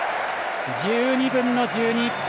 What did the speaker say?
１２分の１２。